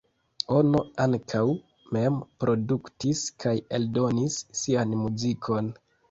Ono ankaŭ mem produktis kaj eldonis sian muzikon.